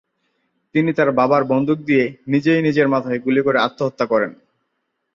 তিনি তার বাবার বন্দুক দিয়ে নিজেই নিজের মাথায় গুলি করে আত্মহত্যা করেন।